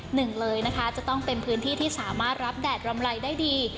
หนึ่งเลยนะคะจะต้องเป็นพื้นที่ที่สามารถรับแดดรำไรได้ดี